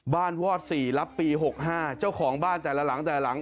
วอด๔รับปี๖๕เจ้าของบ้านแต่ละหลังแต่ละหลัง